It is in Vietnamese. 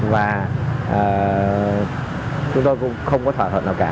và chúng tôi cũng không có thỏa thuận nào cả